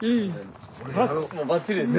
もうばっちりです。